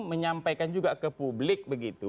menyampaikan juga ke publik